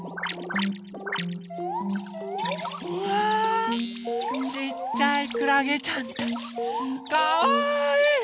うわちっちゃいくらげちゃんたちかわいい！